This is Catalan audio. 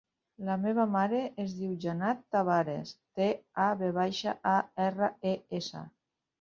La meva mare es diu Janat Tavares: te, a, ve baixa, a, erra, e, essa.